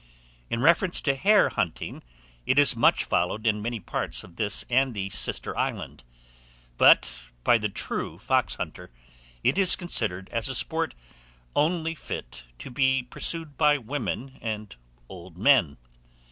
In reference to hare hunting, it is much followed in many parts of this and the sister island; but, by the true foxhunter, it is considered as a sport only fit to be pursued by women and old men.